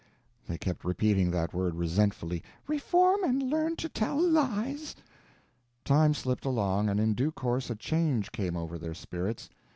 They kept repeating that word resentfully. "Reform and learn to tell lies!" Time slipped along, and in due course a change came over their spirits.